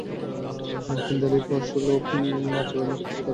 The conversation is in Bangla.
হিন্দার এই পশুসুলভ আচরণে তাকে দারুণ পীড়া দিচ্ছিল।